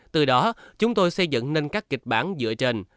từ đó chúng tôi xây dựng nên các kịch bản dựa trên